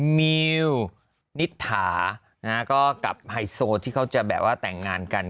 มิวนิษฐาก็กับไฮโซที่เขาจะแบบว่าแต่งงานกัน